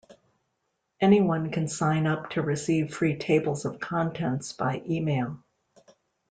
Anyone can sign up to receive free tables of contents by email.